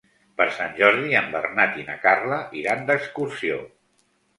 Per Sant Jordi en Bernat i na Carla iran d'excursió.